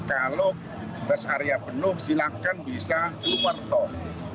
kalau rest area penuh silakan bisa keluar tol